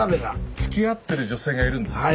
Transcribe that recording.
つきあってる女性がいるんですよ。